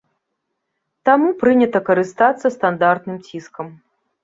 Таму прынята карыстацца стандартным ціскам.